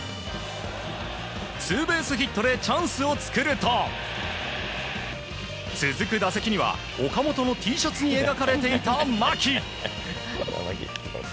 ツーベースヒットでチャンスを作ると続く打席には岡本のＴシャツに描かれていた牧。